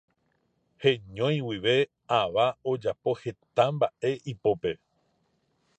Heñói guive ava ojapo heta mbaʼe ipópe.